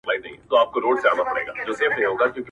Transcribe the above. سرکښي یې له ازله په نصیب د تندي سوله-